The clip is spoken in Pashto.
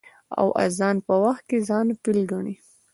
او د اذان په وخت کې ځان فيل گڼي.